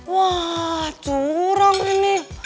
wah curang ini